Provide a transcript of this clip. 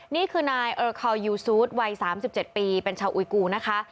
นี่คือนายเออคอลยูซูดวัย๓๗ปีเป็นชาวอุยกูนะคะ